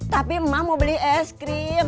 tapi mama mau beli es krim